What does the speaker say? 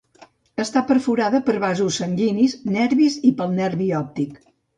Està perforada per vasos sanguinis, nervis i pel nervi òptic.